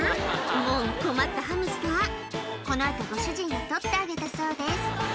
もう困ったハムスターこの後ご主人が取ってあげたそうです